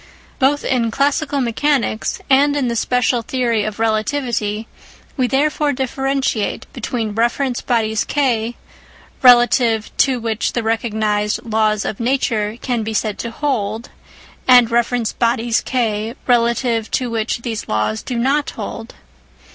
Both in classical mechanics and in the special theory of relativity we therefore differentiate between reference bodies K relative to which the recognised " laws of nature " can be said to hold, and reference bodies K relative to which these laws do not hold.